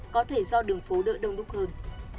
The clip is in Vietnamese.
có thể do đường phố đỡ đông đúc hơn